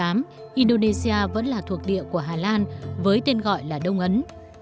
năm một nghìn chín trăm ba mươi tám indonesia vẫn là thuộc địa của hà lan với tên gọi là đông ấn